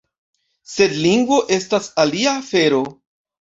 Sed lingvo estas alia afero.